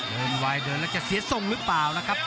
เดินวายเดินแล้วจะเสียทรงหรือเปล่านะครับ